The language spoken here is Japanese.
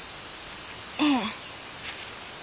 ええ。